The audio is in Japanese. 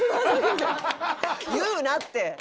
言うなって。